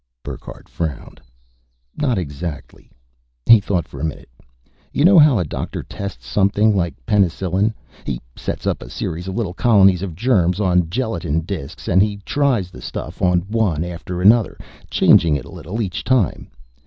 Burckhardt frowned. "Not exactly." He thought for a minute. "You know how a doctor tests something like penicillin? He sets up a series of little colonies of germs on gelatine disks and he tries the stuff on one after another, changing it a little each time.